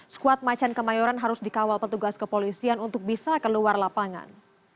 skuad macan kemayoran harus dikawal petugas kepolisian untuk bisa keluar lapangan